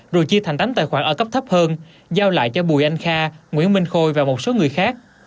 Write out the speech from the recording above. rồi chia thành tám tài khoản ở cấp thấp hơn giao lại cho bùi anh kha nguyễn minh khôi và một số người khác